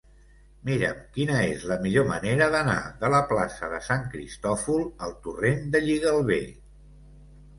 Mira'm quina és la millor manera d'anar de la plaça de Sant Cristòfol al torrent de Lligalbé.